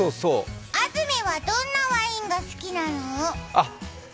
安住はどんなワインが好きなの？